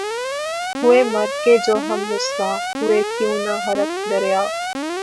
ہوئے مر کے ہم جو رسوا ہوئے کیوں نہ غرق دریا